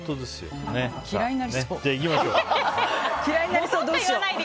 嫌いになりそう。